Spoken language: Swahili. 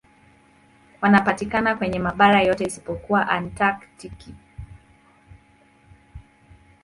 Wanapatikana kwenye mabara yote isipokuwa Antaktiki.